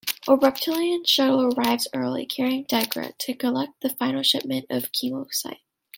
A Reptilian shuttle arrives early, carrying Degra, to collect the final shipment of kemocite.